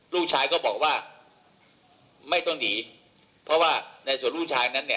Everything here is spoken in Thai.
ลูกชายก็บอกว่าไม่ต้องหนีเพราะว่าในส่วนลูกชายนั้นเนี่ย